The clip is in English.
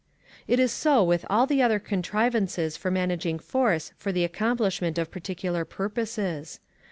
It is so with all the other contrivances for managing force for the accomplishment of particular purposes.